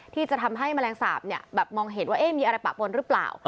ที่จะทำให้แมลงสาปมองเห็นว่ามีอะไรปะปนหรือเปล่า